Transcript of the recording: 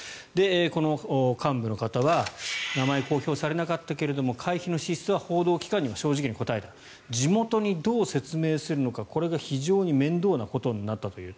この幹部の方は名前が公表されなかったけども会費の支出は報道機関には正直に答えた地元にどう説明するのかこれが非常に面倒なことになったという。